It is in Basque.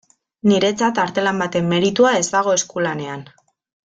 Niretzat artelan baten meritua ez dago eskulanean.